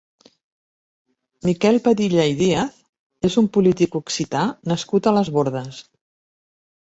Miquel Padilla i Díaz és un polític occità nascut a Les Bordes.